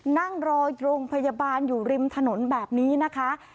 นั่งรอโรงพยาบาลอยู่ริมถนนแบบนี้นะคะ